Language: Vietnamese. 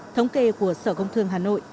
thống kê của sở công thương hà nội